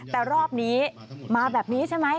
แต่รอบนี้มาแบบนี้ใช่ไหม